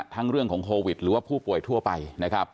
เรื่องของโควิดหรือว่าผู้ป่วยทั่วไปนะครับ